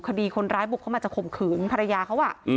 คดีคนร้ายบุกเข้ามาจะข่มขืนภรรยาเขา